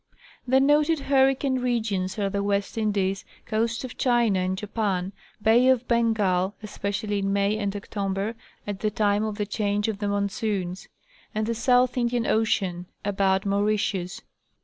The noted hurricane regions are the West Indies, coast of China and Japan, Bay of Bengal (especially in May and October, at the time of the change of the monsoons), and the South Indian Ocean (about Mauritius).